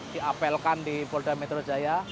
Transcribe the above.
diapelkan di polda metro jaya